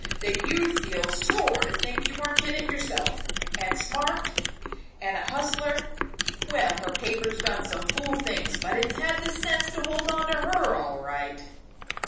that you'd feel sore to think you weren't in yourself. And smart? And a hustler? Well, her paper's done some fool things, but it's had sense to hold on to her all right all right."